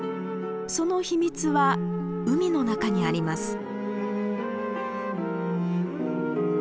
その秘密は海の中にあります。